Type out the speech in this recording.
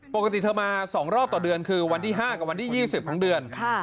ปกติเธอมาสองรอบต่อเดือนคือวันที่ห้ากับวันที่ยี่สิบของเดือนค่ะ